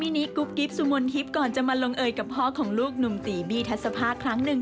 นี้กุ๊บกิ๊บสุมนทิพย์ก่อนจะมาลงเอยกับพ่อของลูกหนุ่มตีบี้ทัศภาคครั้งหนึ่ง